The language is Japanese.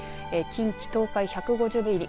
近畿東海１５０ミリ。